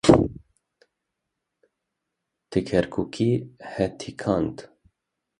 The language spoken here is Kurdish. Te kurikî hetikand.